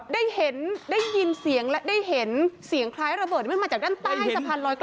ได้เห็นได้ยินเสียงและได้เห็นเสียงคล้ายระเบิดที่มันมาจากด้านใต้สะพานลอย๙